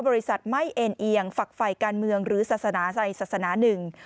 บริษัทไม่เอ็นเอียงฝักไฟการเมืองหรือศาสนาใดศาสนาหนึ่ง